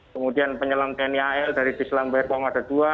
kemudian penyelam tni al dari dislam bayar kormada ii